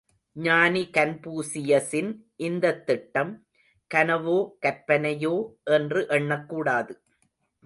ஞானி கன்பூசியசின் இந்தத் திட்டம், கனவோ கற்பனையோ என்று எண்ணக்கூடாது.